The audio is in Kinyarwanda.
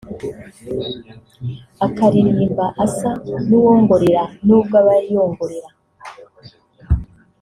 akaririmba asa n’uwongorera; n’ubwo aba yongorera